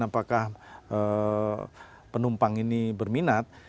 apakah penumpang ini berminat